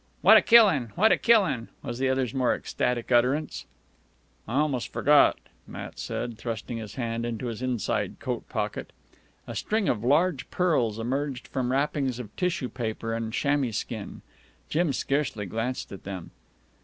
"What a killin'! What a killin'!" was the other's more ecstatic utterance. "I almost forgot," Matt said, thrusting his hand into his inside coat pocket. A string of large pearls emerged from wrappings of tissue paper and chamois skin. Jim scarcely glanced at them.